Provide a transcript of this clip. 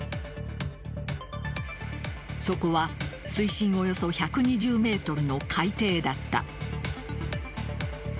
そこは水深およそ１２０ｍの海底だった。